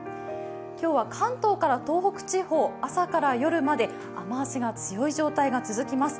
今日は関東から東北地方朝から夜まで雨足が強い状態が続きます。